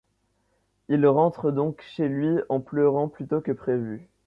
Il rentre donc chez lui en pleurant plus tôt que prévu.